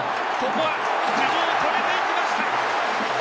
ここは頭上を越えていきました。